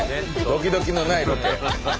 ドキドキのないロケ。